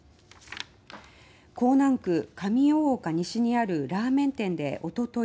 港南区上大岡西にあるラーメン店でおととい